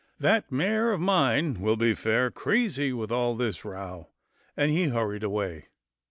That mare of mine will be fair crazy with all this row," and he hurried away.